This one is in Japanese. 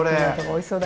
おいしそう。